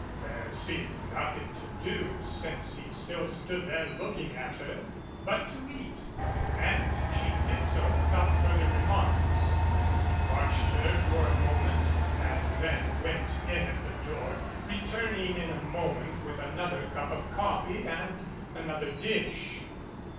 There seemed nothing to do, since he still stood there looking at her, but to eat, and she did so without further remarks. He watched her for a moment and then went in at the door, returning in a moment with another cup of coffee and another dish.